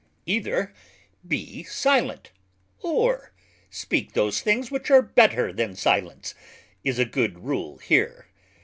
_ Either be silent, or speak those things which are better then silence, is a good Rule here.